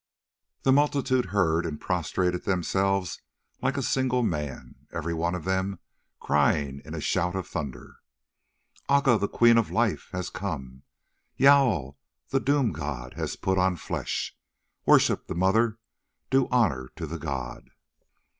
The multitude heard and prostrated themselves like a single man, every one of them crying in a shout of thunder: "Aca, the Queen of life, has come; Jâl, the doom god, has put on flesh. Worship the Mother, do honour to the god!"